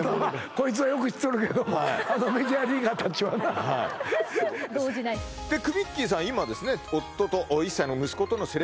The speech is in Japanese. こいつはよく知っとるけどもあのメジャーリーガーたちはな動じないくみっきーさん